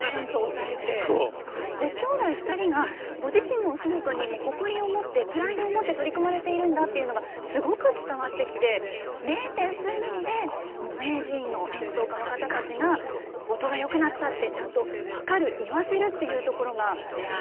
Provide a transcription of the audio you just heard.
ご兄弟２人がご自身のお仕事に誇りを持ってプライドを持って取り組まれているんだっていうのがすごく伝わってきて０．数ミリで名人の演奏家の方たちが「音がよくなった」ってちゃんと分かる言わせるっていうところがプロだなという。